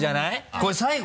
これ最後？